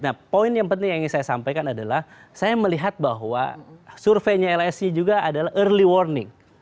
nah poin yang penting yang ingin saya sampaikan adalah saya melihat bahwa surveinya lsi juga adalah early warning